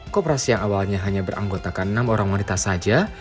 kooperasi yang awalnya hanya beranggotakan enam orang wanita saja